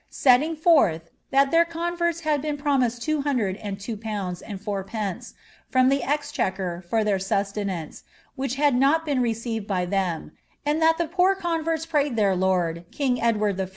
'' setting forth, ^ that their converts had been led two hundr^ and two pounds and four pence, from the ex er, for their sustenance, which had not been received by them ; At the poor converts prayed their lord, king Edward I.